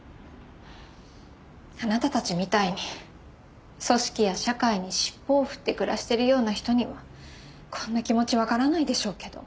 あなたたちみたいに組織や社会に尻尾を振って暮らしているような人にはこんな気持ちわからないでしょうけど。